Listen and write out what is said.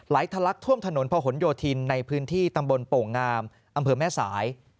ทะลักท่วมถนนพะหนโยธินในพื้นที่ตำบลโป่งงามอำเภอแม่สาย